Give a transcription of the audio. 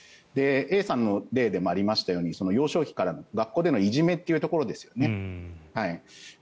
Ａさんの例でもありましたが幼少期からの学校でのいじめということですよね。